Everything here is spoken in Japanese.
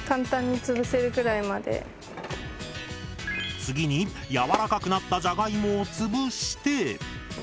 次にやわらかくなったじゃがいもをつぶして。